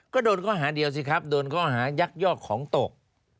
ก็โดนข้อหาเดียวสิครับโดนข้อหายักยอกของตก